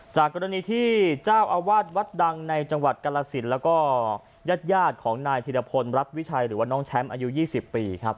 จากกรณีที่เจ้าอาวาสวัดดังในจังหวัดกรสินแล้วก็ญาติของนายธิรพลรัฐวิชัยหรือว่าน้องแชมป์อายุ๒๐ปีครับ